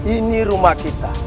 ini rumah kita